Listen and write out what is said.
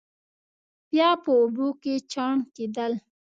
بیا په اوبو کې چاڼ کېدل.